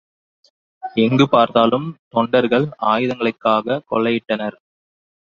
எங்கு பார்த்தாலும் தொண்டர்கள் ஆயுதங்களைக்காகக் கொள்ளையிட்டனர்.